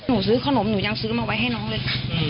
หนูซื้อขนมหนูยังซื้อมาไว้ให้น้องเลยค่ะ